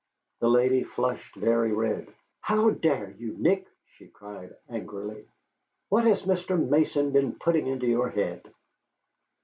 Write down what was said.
The lady flushed very red. "How dare you, Nick!" she cried angrily. "What has Mr. Mason been putting into your head?"